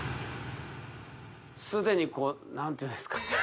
すでにこう何ていうんですかね